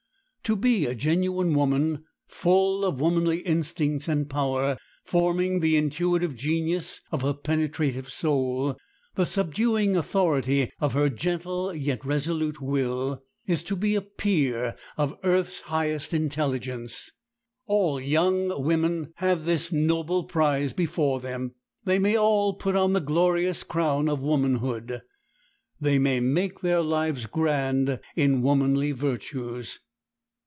To be a genuine woman, full of womanly instincts and power, forming the intuitive genius of her penetrative soul, the subduing authority of her gentle yet resolute will, is to be a peer of earth's highest intelligence. All young women have this noble prize before them. They may all put on the glorious crown of womanhood. They may make their lives grand in womanly virtues.